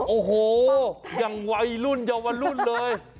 โอ้โหอย่างวัยรุ่นเยาวรุ่นเลย